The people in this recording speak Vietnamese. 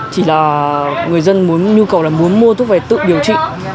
chỉ là người dân muốn nhu cầu là muốn mua thuốc về tự điều trị